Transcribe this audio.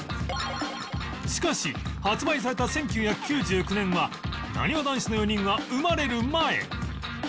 しかし発売された１９９９年はなにわ男子の４人は生まれる前